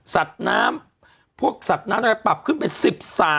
สัตว์น้ำพวกสัตว์น้ำอะไรปรับขึ้นไป๑๓